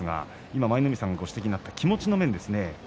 今、舞の海さんがご指摘になった気持ちの面。